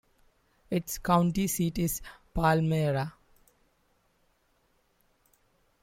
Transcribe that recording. Its county seat is Palmyra.